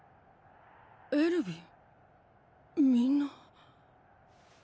エルヴィンみんな。